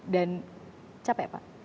dan capek pak